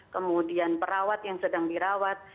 kemudian perawat yang sedang dirawat